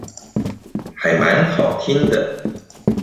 還蠻好聽的